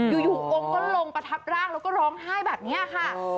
อยู่องค์ก็ลงประทับร่างแล้วก็ร้องไห้แบบนี้ค่ะ